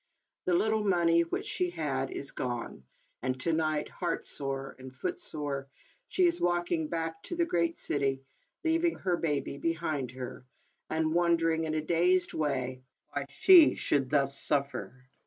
The little money, which she had, is gone ; and, to night, heartsore and footsore, she is walk ing back to the great city, leaving her baby be hind her, and wondering, in a dazed way, why she should thus suffer.